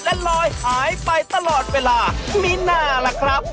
และลอยหายไปตลอดเวลามีหน้าล่ะครับ